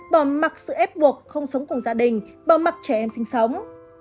bỏ mặc sự ép buộc không sống cùng gia đình bỏ mặc trẻ em sinh sống